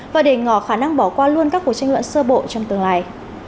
và để ngỏ khả năng bỏ qua luôn các cuộc tranh luận sơ bộ trong tương lai